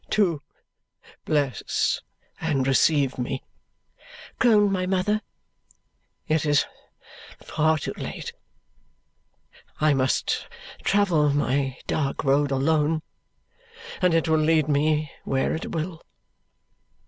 "To bless and receive me," groaned my mother, "it is far too late. I must travel my dark road alone, and it will lead me where it will.